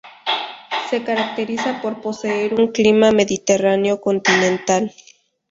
Se caracteriza por poseer un clima mediterráneo continental.